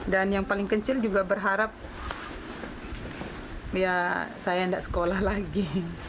dan yang paling kecil juga berharap saya tidak sekolah lagi